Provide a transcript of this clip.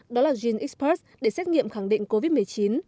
đó là genexpert để xét nghiệm khẳng định covid một mươi chín